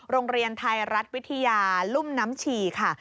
โรงเรียนไทยรัฐวิทยาลุ่มน้ำฉี่ค่ะ